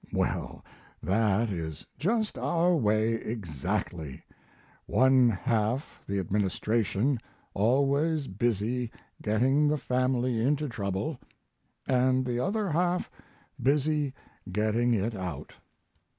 Well, that is just our way exactly one half the administration always busy getting the family into trouble and the other half busy getting it out.